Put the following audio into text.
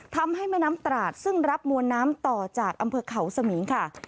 ทำให้แม่น้ำตราดซึ่งรับมวลน้ำต่อจากอำเภอเขาสมิงค่ะ